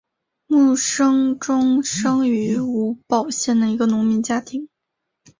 慕生忠生于吴堡县的一个农民家庭。